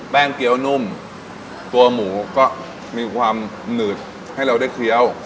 เกี้ยวนุ่มตัวหมูก็มีความหนืดให้เราได้เคี้ยว